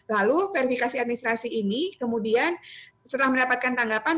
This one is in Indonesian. lalu verifikasi administrasi ini kemudian setelah mendapatkan tanggapan